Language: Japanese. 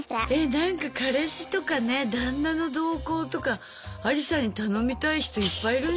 なんか彼氏とかね旦那の動向とかアリサに頼みたい人いっぱいいるんじゃない？